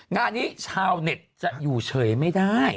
งานนี้ชาวเน็ตจะอยู่เฉยไม่ได้